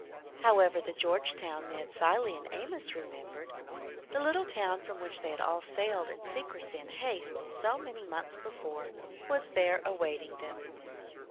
However, the Georgetown Ned Cilley and Amos remembered, the little town from which they had all sailed in secrecy and haste so many months before, was there awaiting them.